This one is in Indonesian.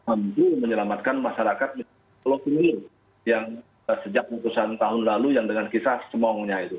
untuk menyelamatkan masyarakat yang sejak keputusan tahun lalu yang dengan kisah semongnya itu